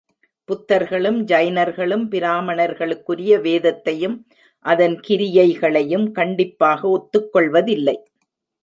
புத்தர்களும், ஜைனர்களும், பிராமணர்களுக்குரிய வேதத்தையும் அதன் கிரியைகளையும் கண்டிப்பாக ஒத்துக்கொள்வதில்லை.